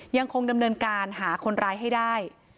ยังคงดำเนินการหาคนร้ายให้ได้